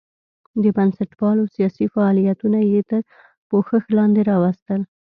د بنسټپالو سیاسي فعالیتونه یې تر پوښښ لاندې راوستل.